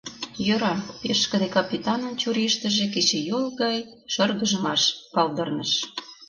— Йӧра... — пешкыде капитанын чурийыштыже кечыйол гай шыргыжмаш палдырныш.